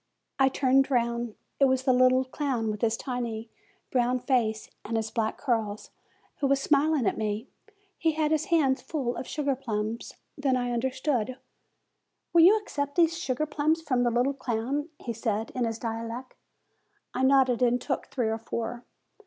I turned round. It was the little clown, with his tiny, "brown face and his black curls, who was smiling at me. He had his hands full of sugar plums. Then I understood. "Will you accept these sugar plums from the little clown?" he said, in his dialect. I nodded, and took three or four.